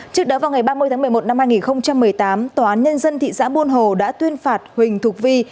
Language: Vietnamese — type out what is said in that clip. trước đó vào ngày ba mươi tháng một mươi một năm hai nghìn một mươi tám tòa án nhân dân thị xã buôn hồ đã tuyên phạt huỳnh thục vi